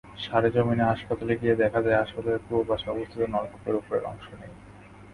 সরেজমিনে হাসপাতালে গিয়ে দেখা যায়, হাসপাতালের পূর্ব পাশে স্থাপিত নলকূপের ওপরের অংশ নেই।